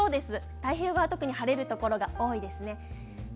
太平洋側、特に晴れるところが多いですね。